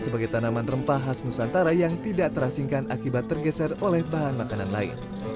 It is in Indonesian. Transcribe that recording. sebagai tanaman rempah khas nusantara yang tidak terasingkan akibat tergeser oleh bahan makanan lain